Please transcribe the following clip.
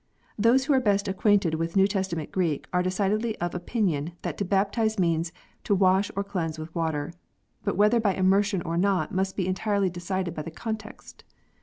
Those who are best acquainted with New Testament Greek are decidedly of opinion that to baptize means " to wash or cleanse with water," but whether by immersion or not must be entirely decided by the context.